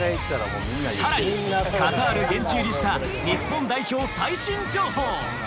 更に、カタール現地入りした日本代表最新情報。